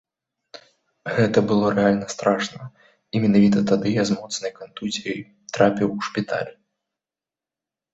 Гэта было рэальна страшна, і менавіта тады я з моцнай кантузіяй трапіў у шпіталь.